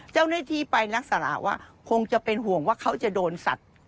เจ้าหน้าที่ไปลักษณะว่าคงจะเป็นห่วงว่าเขาจะโดนสัตว์